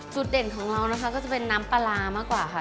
จุดเด่นของเรานะคะก็จะเป็นน้ำปลาร้ามากกว่าค่ะ